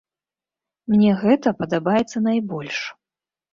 Мне гэта падабаецца найбольш.